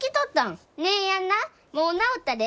姉やんなもう治ったで。